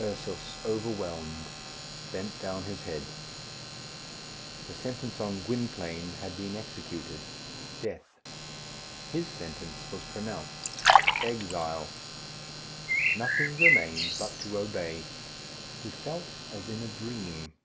Ursus, overwhelmed, bent down his head. The sentence on Gwynplaine had been executed death. His sentence was pronounced exile. Nothing remained but to obey. He felt as in a dream.